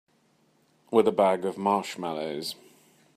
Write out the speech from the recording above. With a bag of marshmallows.